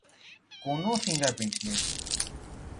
কোনো ফিঙ্গারপ্রিন্ট নেই।